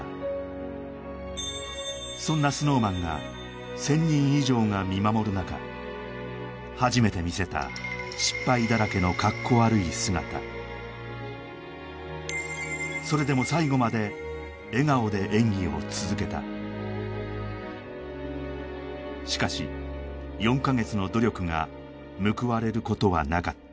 そんなＳｎｏｗＭａｎが１０００人以上が見守る中初めて見せた失敗だらけのカッコ悪い姿それでも最後までしかし４か月の努力が報われることはなかった